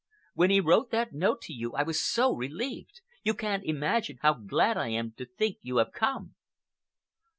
When he wrote that note to you I was so relieved. You can't imagine how glad I am to think you have come!"